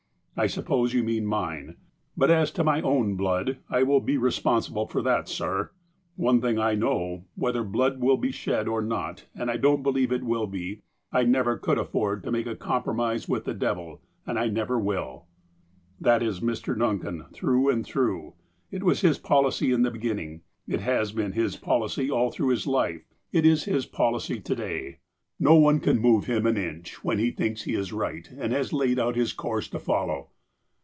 I suppose you mean mine. But, as to my own blood, I will be re sponsible for that, sir. One thing I know — whether blood will be shed or not, and I don't believe it will be, I never could afford to make a compromise with the devil, and I never will." That is Mr. Duncan, through and through. It was his policy in the beginning. It has been his policy all through his life. It is his policy to day. No one can move him 132 THE APOSTLE OF ALASKA an inch, when lie thinks he is right, and has laid out his course to follow.